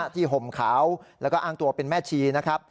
ห่มขาวแล้วก็อ้างตัวเป็นแม่ชีนะครับ